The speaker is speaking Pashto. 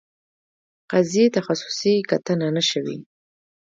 قضیې تخصصي کتنه نه شوې.